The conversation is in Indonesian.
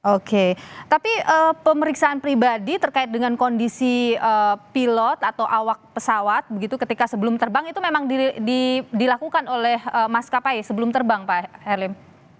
oke tapi pemeriksaan pribadi terkait dengan kondisi pilot atau awak pesawat begitu ketika sebelum terbang itu memang dilakukan oleh maskapai sebelum terbang pak herlim